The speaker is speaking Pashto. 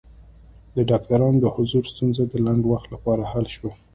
د ډاکټرانو د حضور ستونزه د لنډ وخت لپاره حل شوه.